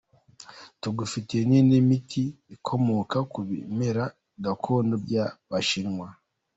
Tugufitiye n’indi miti ikomoka Ku bimera gakondo by’abashinwa.